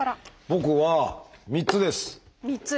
僕は３つです。